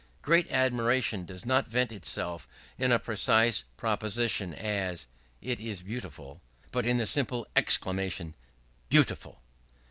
Great admiration does not vent itself in a precise proposition, as "It is beautiful"; but in the simple exclamation "Beautiful!"